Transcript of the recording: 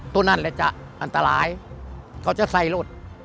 ตรงนั้นแหละจะอันตรายเขาจะใส่รถ